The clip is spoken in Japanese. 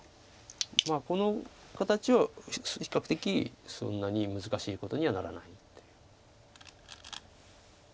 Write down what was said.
この形は比較的そんなに難しいことにはならない。